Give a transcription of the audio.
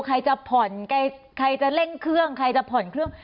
ใครจะผ่อนใครจะเร่งเครื่องใครจะผ่อนเครื่อง